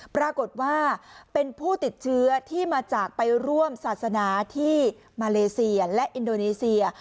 ปรากฏว่าเป็นผู้ติดเชื้อที่มาจากไปร่วมศาสนาที่มาเลเซียและอินโดนีเซีย